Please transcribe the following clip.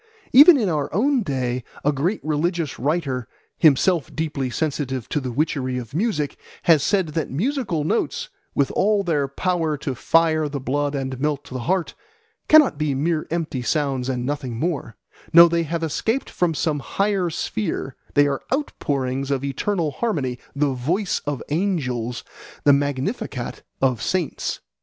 Even in our own day a great religious writer, himself deeply sensitive to the witchery of music, has said that musical notes, with all their power to fire the blood and melt the heart, cannot be mere empty sounds and nothing more; no, they have escaped from some higher sphere, they are outpourings of eternal harmony, the voice of angels, the Magnificat of saints.